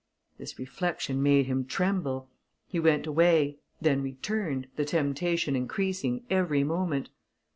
This reflection made him tremble. He went away; then returned, the temptation increasing every moment.